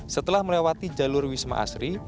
setelah melewati jalur wisma asri